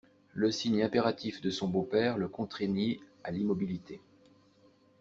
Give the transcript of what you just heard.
Le signe impératif de son beau-père le contraignit à l'immobilité.